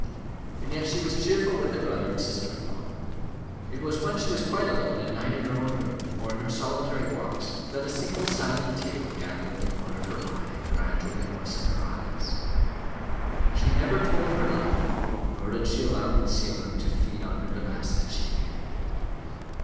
And yet she was cheerful with her brother and sister in law. It was when she was quite alone, at night in her own room, or in her solitary walks, that a single silent tear would gather in the corner of her eye and gradually moisten her eyelids. "She never told her love," nor did she allow concealment to "feed on her damask cheek."